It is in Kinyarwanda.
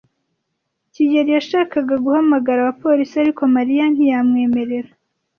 kigeli yashakaga guhamagara abapolisi, ariko Mariya ntiyamwemerera.